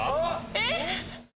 えっ？